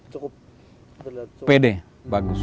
cukup pede bagus